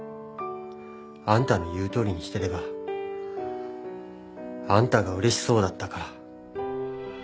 あんたの言うとおりにしてればあんたがうれしそうだったから。